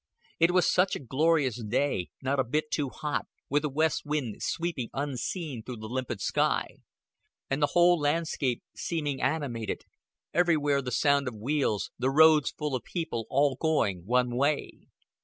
It was such a glorious day, not a bit too hot, with a west wind sweeping unseen through the limpid sky; and the whole landscape seeming animated, everywhere the sound of wheels, the roads full of people all going one way.